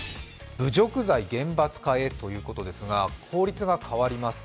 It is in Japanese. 侮辱罪厳罰化へということですが、法律が変わります。